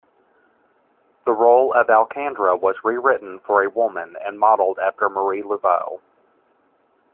The role of Alcandre was rewritten for a woman and modeled after Marie Laveau.